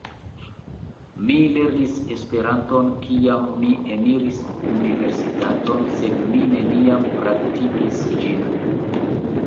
Mi lernis Esperanton kiam mi eniris universitaton, sed mi neniam praktikis ĝin.